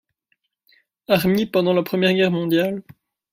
Army pendant la Première Guerre mondiale.